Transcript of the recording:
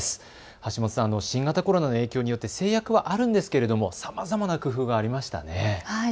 橋本さん、新型コロナの影響で制約はあるんですけれどもさまざまな工夫がありましたね。